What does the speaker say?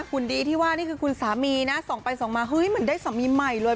หุ่นดีที่ว่านี่คือคุณสามีนะส่องไปส่องมาเฮ้ยเหมือนได้สามีใหม่เลย